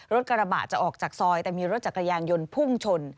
รถกระบะจะออกจากซอยแต่มีรถจักรยานยนต์พุ่งชน